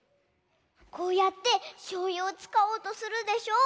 こうやってしょうゆをつかおうとするでしょ。